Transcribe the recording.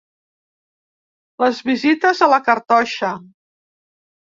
Les visites a la cartoixa.